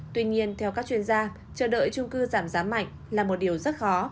tuy nhiên theo các chuyên gia chờ đợi trung cư giảm giá mạnh là một điều rất khó